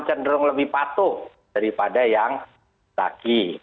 cenderung lebih patuh daripada yang kaki